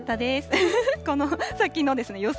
この先の予想